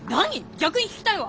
逆に聞きたいわ。